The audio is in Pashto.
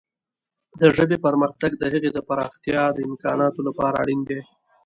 د ژبې پرمختګ د هغې د پراختیا د امکاناتو لپاره اړین دی.